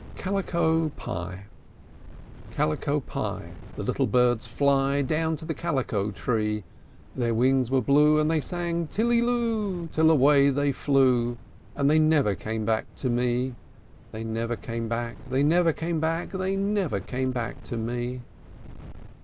CALICO PIE. I. Calico pie, The little birds fly Down to the calico tree: Their wings were blue, And they sang "Tilly loo!" Till away they flew; And they never came back to me! They never came back, They never came back, They never came back to me!